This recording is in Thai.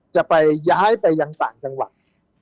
จะไปย้ายไปยังต่างจังหวัด